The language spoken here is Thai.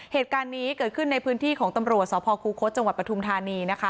เหตุการณ์นี้เกิดขึ้นในพื้นที่ของตำรวจสคโคทจปฐุมธานี